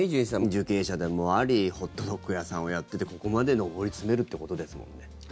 受刑者でもありホットドッグ屋さんをやっていてここまで上り詰めるということですもんね。